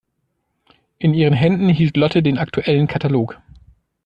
In ihren Händen hielt Lotte den aktuellen Katalog.